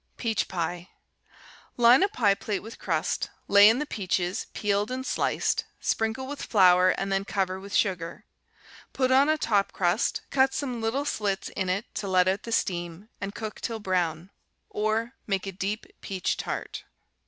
Peach Pie Line a pie plate with crust, lay in the peaches, peeled and sliced, sprinkle with flour, and then cover with sugar; put on a top crust, cut some little slits in it to let out the steam, and cook till brown. Or, make a deep peach tart.